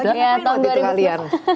tadi apa itu kalian